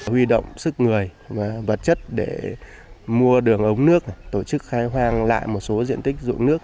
huy động sức người và vật chất để mua đường ống nước tổ chức khai hoang lại một số diện tích dụng nước